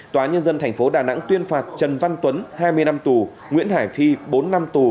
tòa nhân dân thành phố đà nẵng tuyên phạt trần văn tuấn hai mươi năm tù